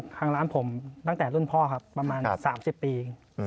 ทางร้านผมตั้งแต่รุ่นพ่อครับประมาณ๓๐ปี